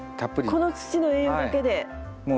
この土の栄養だけで。